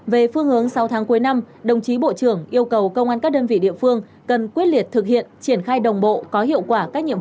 về phương hướng sáu tháng cuối năm đồng chí bộ trưởng yêu cầu công an các đơn vị địa phương cần quyết liệt thực hiện